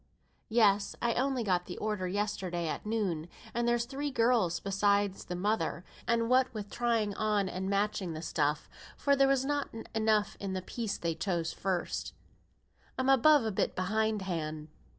"Yes, I only got the order yesterday at noon; and there's three girls beside the mother; and what with trying on and matching the stuff (for there was not enough in the piece they chose first), I'm above a bit behindhand.